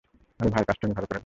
আরে ভাই, কাজটা উনি ভালো করেননি।